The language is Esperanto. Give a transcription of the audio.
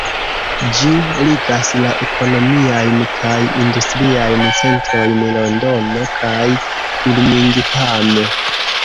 Ĝi ligas la ekonomiajn kaj industriajn centrojn Londono kaj Birmingham.